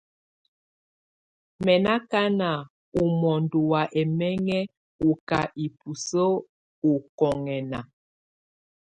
Mɛ ná ɔkana a mɔndɔ wa ɛmɛŋɛ ù ká ibùsǝ u ɔkɔŋɛna.